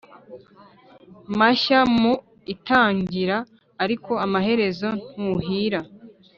mashya mu itangira, ariko amaherezo ntuhira